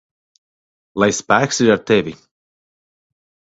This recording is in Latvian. Lai spēks ir ar tevi!